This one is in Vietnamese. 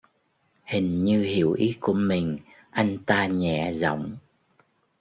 Hình như hiểu ý của mình anh ta nhẹ giọng